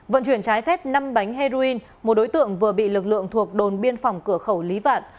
vận chuyển trái phép năm bánh heroin một đối tượng vừa bị lực lượng thuộc đồn biên phòng cửa khẩu lý vạn